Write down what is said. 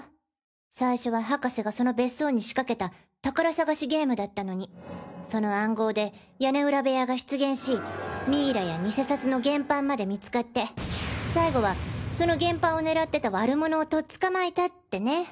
最初は博士がその別荘に仕掛けた宝探しゲームだったのにその暗号で屋根裏部屋が出現しミイラや偽札の原版まで見つかって最後はその原版を狙ってた悪者をとっ捕まえたってね。